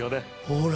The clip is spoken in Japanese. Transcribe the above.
ほら。